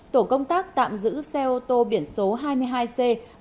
tổ công tác tạm giữ xe ô tô biển số hai mươi hai c tám nghìn hai trăm tám mươi bốn